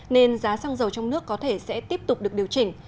nên giá xăng dầu trong nước có thể sẽ tiếp tục được điều chỉnh